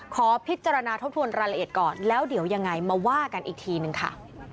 ขอพิจารณาทบทวนรายละเอียดก่อนแล้วเดี๋ยวยังไงมาว่ากันอีกทีนึงค่ะ